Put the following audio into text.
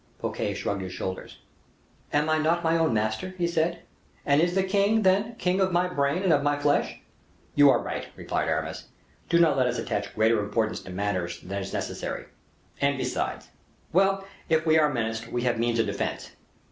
Fouquet shrugged his shoulders. "Am I not my own master," he said, "and is the king, then, king of my brain and of my flesh?" "You are right," replied Aramis, "do not let us attach greater importance to matters than is necessary; and besides... Well! if we are menaced, we have means of defense."